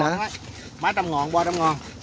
ba trăm linh ngàn ba trăm linh ngàn